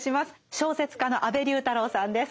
小説家の安部龍太郎さんです。